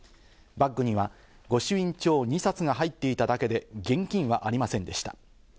バッグにはご朱印帳２冊が入っていただけで、現金はありませんでした。